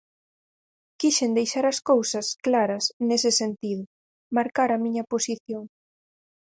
Quixen deixar as cousas claras nese sentido, marcar a miña posición.